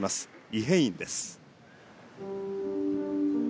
イ・ヘインです。